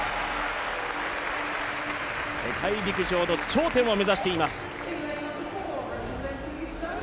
世界陸上の頂点を目指しています。